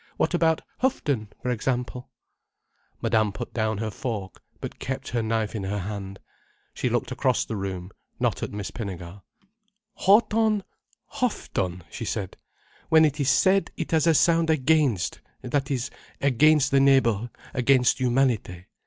"What about Houghton, for example?" Madame put down her fork, but kept her knife in her hand. She looked across the room, not at Miss Pinnegar. "Houghton—! Huff ton!" she said. "When it is said, it has a sound against: that is, against the neighbour, against humanity.